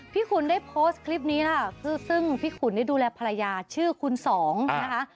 ขุนได้โพสต์คลิปนี้ล่ะซึ่งพี่ขุนนี่ดูแลภรรยาชื่อคุณสองนะคะ